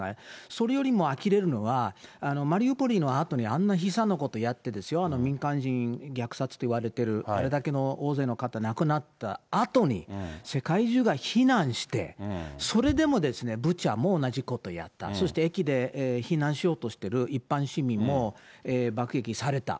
それよりもあきれるのは、マリウポリのあとにあんな悲惨なことをやってですよ、民間人虐殺といわれてる、あれだけの多くの方が亡くなったあとに、世界中が非難して、それでもブチャも同じことやった、そして駅で避難しようとしている一般市民も爆撃された。